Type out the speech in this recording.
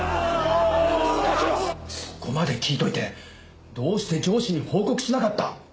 そこまで聞いておいてどうして上司に報告しなかった？